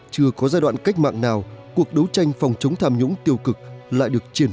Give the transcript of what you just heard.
chưa có giai đoạn cách mạng nào cuộc đấu tranh phòng chống tham nhũng tiêu cực lại được triển